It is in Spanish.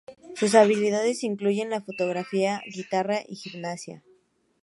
Sus habilidades incluyen la fotografía, guitarra y gimnasia.